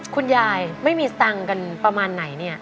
คุณยายไม่มีสตางค์กันประมาณไหน